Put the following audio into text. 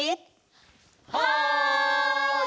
はい！